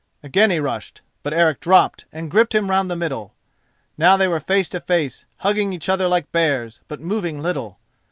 Again he rushed, but Eric dropped and gripped him round the middle. Now they were face to face, hugging each other like bears, but moving little.